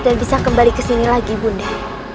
dan bisa kembali ke sini lagi ibu nda